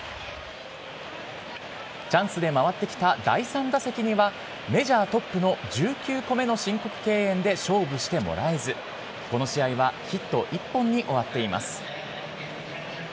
チャンスで回ってきた第３打席には、メジャートップの１９個目の申告敬遠で勝負してもらえず、この試合はヒット１本に終わっています。